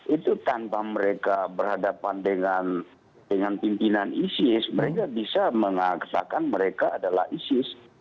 itu tanpa mereka berhadapan dengan pimpinan isis mereka bisa mengaksakan mereka adalah isis